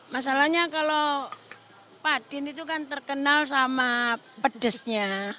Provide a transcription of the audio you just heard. masalahnya kalau padin itu kan terkenal sama pedesnya